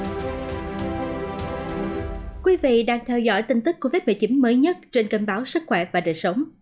thưa quý vị đang theo dõi tin tức covid một mươi chín mới nhất trên kênh báo sức khỏe và đời sống